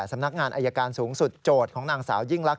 สำนักงานอายการสูงสุดโจทย์ของนางสาวยิ่งลักษ